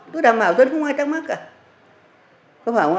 tôi đảm bảo dân không ai tắc mắc cả